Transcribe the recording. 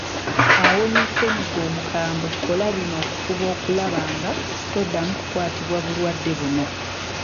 Awonye Ssennyiga omukambwe kola bino okufuba okulaba nga toddamu kukwatibwa bulwadde buno.